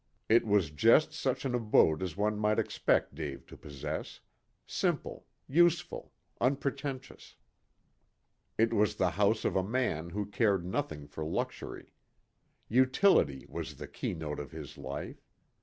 It was just such an abode as one might expect Dave to possess: simple, useful, unpretentious. It was the house of a man who cared nothing for luxury. Utility was the key note of his life.